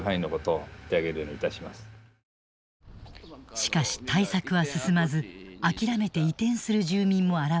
しかし対策は進まず諦めて移転する住民も現れた。